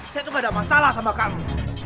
saya tuh gak ada masalah sama kamu